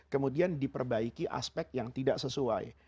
kemudian diperbaiki aspek yang tidak sesuai